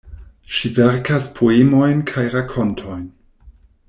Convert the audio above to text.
Ŝi verkas poemojn kaj rakontojn.